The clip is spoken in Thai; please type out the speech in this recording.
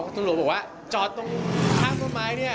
ตำรวจบอกว่าจอดตรงข้างต้นไม้เนี่ย